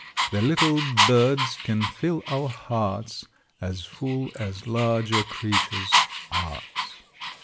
The little birds can fill our hearts As full as larger creatures' arts.